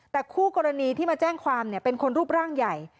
แต่คู่กรณีที่มาแจ้งความเป็นคนรูปร่างใหญ่